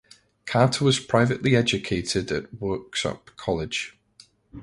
Carter was privately educated at Worksop College.